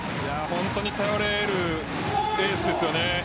本当に頼れるエースですよね。